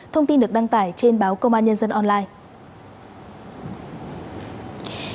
thông tin được đăng tải trên báo công an nhân dân online